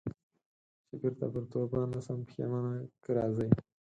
چي بیرته پر توبه نه سم پښېمانه که راځې